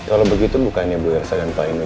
kalau begitu bukannya ibu elsa dan pak ino